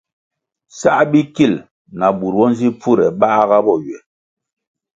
Sál bikil na bur bo nzi pfure bahga bo ywe.